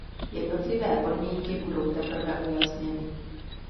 Jednotlivé podmínky budou teprve ujasněny.